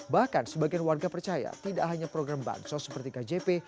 bahkan sebagian warga percaya tidak hanya program bansos seperti kjp